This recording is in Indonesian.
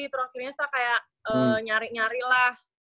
terakhirnya kita kayak nyari nyari lah